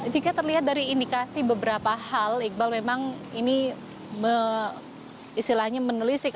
jika terlihat dari indikasi beberapa hal iqbal memang ini istilahnya menelisik